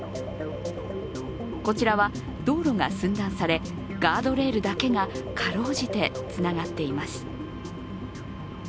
こちらは道路が寸断され、ガードレールだけがかろうじてつながっています。